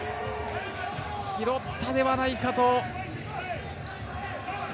拾ったではないかと。